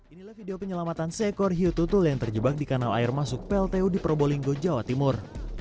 inilah video penyelamatan seekor hiu tutul yang terjebak di kanal air masuk pltu di probolinggo jawa timur